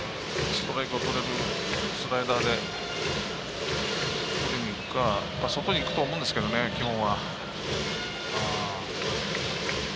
ストライクをとれるスライダーでとりにいくか外にいくと思うんですけど、基本。